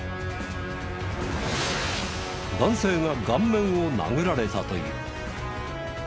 男性が顔面を殴られたという。